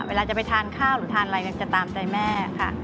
เวลาจะไปทานข้าวหรือทานอะไรกันจะตามใจแม่ค่ะ